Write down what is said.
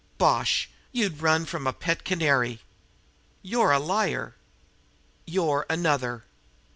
"Bosh! You'd run from a pet canary." "You're a liar!" "You're another!"